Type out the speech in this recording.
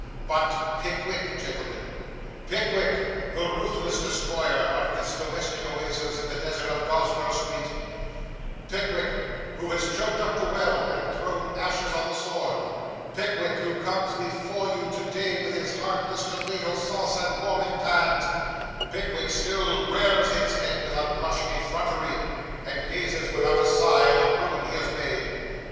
But Pickwick, gentlemen, Pickwick, the ruthless destroyer of this domestic oasis in the desert of Goswell Street Pickwick who has choked up the well, and thrown ashes on the sward Pickwick, who comes before you to day with his heartless tomato sauce and warming pans Pickwick still rears his head with unblushing effrontery, and gazes without a sigh on the ruin he has made.